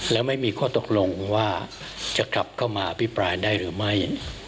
และไม่มีข้อตกลงว่าจะกลับเข้ามาอภิปรายได้หรือไม่